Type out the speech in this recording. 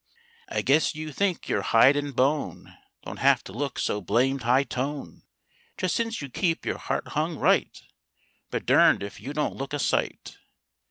I guess you think your hide and bone Don't have to look so blamed high tone Just since you keep your heart hung right,— But durned if you don't look a sight.